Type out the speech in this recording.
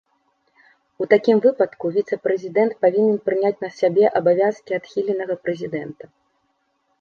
У такім выпадку віцэ-прэзідэнт павінен прыняць на сябе абавязкі адхіленага прэзідэнта.